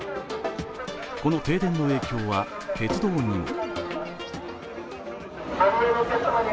この停電の影響は鉄道にも。